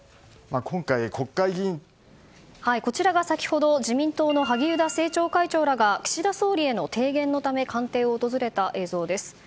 こちらが先ほど、自民党の萩生田政調会長らが岸田総理への提言のため官邸を訪れた映像です。